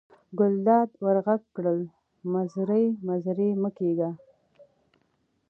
ګلداد ور غږ کړل: مزری مزری مه کېږه.